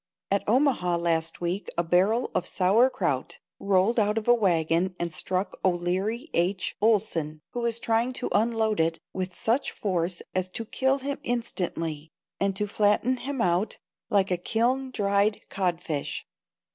At Omaha last week a barrel of sauer kraut rolled out of a wagon and struck O'Leary H. Oleson, who was trying to unload it, with such force as to kill him instantly and to flatten him out like a kiln dried codfish.